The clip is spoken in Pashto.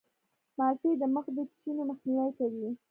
مالټې د مخ د چینو مخنیوی کوي.